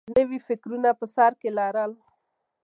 نوي فکرونه په سر کې لرل